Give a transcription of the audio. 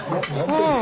うん。